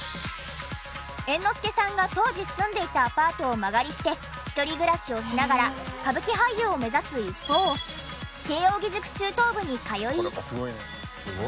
猿之助さんが当時住んでいたアパートを間借りして一人暮らしをしながら歌舞伎俳優を目指す一方。の右團次さんですが。